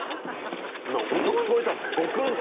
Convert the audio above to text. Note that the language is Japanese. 音聞こえたもん！